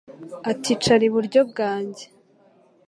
ati Icara iburyo bwanjye